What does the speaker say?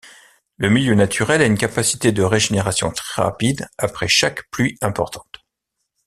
Le milieu naturel a une capacité de régénération très rapide après chaque pluie importante.